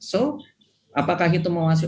so apakah itu